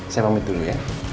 saya pamit dulu ya